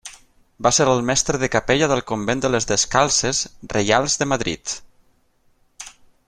Va ser mestre de capella del convent de les Descalces Reials de Madrid.